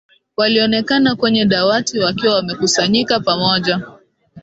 walionekana kwenye dawati wakiwa wamekusanyika pamoja